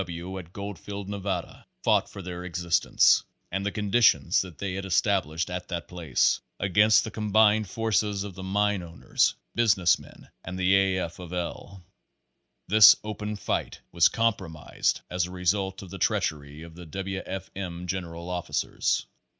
W. W. at Goldfield, Nevada, fought for their existence (and the conditions that they had established at that place) against the combined forces of the mine owners, business men and A. F. of L. This open fight was compromised as a result of the treachery of the W. F. M. general officers.